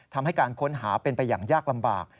ทำให้การค้นหาเป็นไปอย่างยากลำบาก